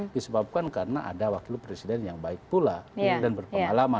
disebabkan karena ada wakil presiden yang baik pula dan berpengalaman